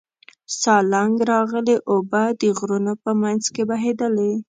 سالنګ راغلې اوبه د غرونو په منځ کې بهېدلې.